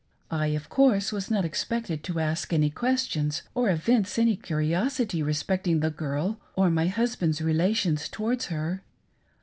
I, of course, was not expected to ask any questions or evince any curiosity respecting the girl or my husband's relations towards her.